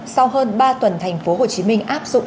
sau hơn ba tuần thành phố hồ chí minh áp dụng